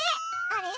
あれ？